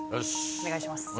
お願いします！